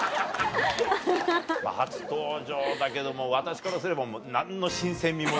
初登場だけども私からすればもう何の新鮮味もない。